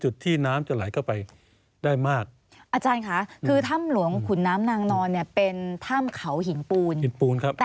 คือถ้าเราหันหน้าเข้าหาถ้ำเนี่ยนะคะ